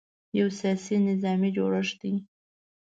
یو سیاسي – نظامي جوړښت دی.